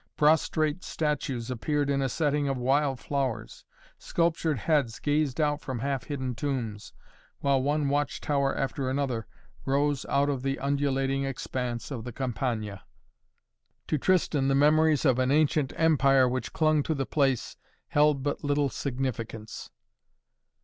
Prostrate statues appeared in a setting of wild flowers. Sculptured heads gazed out from half hidden tombs, while one watch tower after another rose out of the undulating expanse of the Campagna. To Tristan the memories of an ancient empire which clung to the place held but little significance.